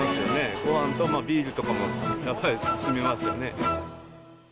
ごはんとビールとかもやっぱり進みますよね。